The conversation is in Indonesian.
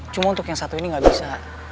cuma untuk yang satu ini nggak bisa